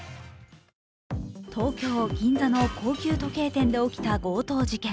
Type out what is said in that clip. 東京・銀座の高級時計店で起きた強盗事件。